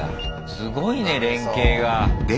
すごいね連携が。